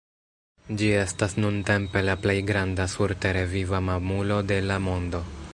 Ĝi estas nuntempe la plej granda surtere viva mamulo de la mondo.